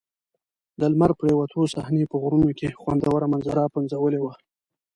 د لمر پرېوتو صحنې په غرونو کې خوندوره منظره پنځولې وه.